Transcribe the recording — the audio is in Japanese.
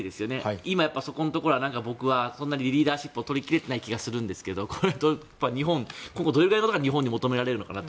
今、そこのところは僕はそんなにリーダーシップを取り切れていない気がしますが日本、どれくらいのことが日本に求められるのかなと。